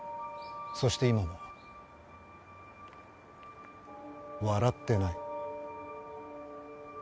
そして今も笑ってない。